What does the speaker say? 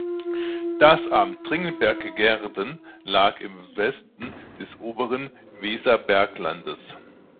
Das Amt Dringenberg-Gehrden lag im Westen des Oberen Weserberglandes.